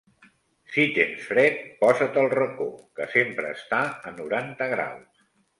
Si tens fred, posa’t al racó, que sempre està a noranta graus.